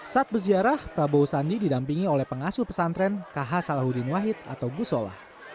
saat berziarah prabowo sandi didampingi oleh pengasuh pesantren kh salahuddin wahid atau gusolah